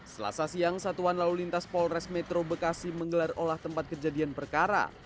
selasa siang satuan lalu lintas polres metro bekasi menggelar olah tempat kejadian perkara